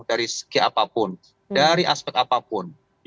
dari segi apapun dari aspek apapun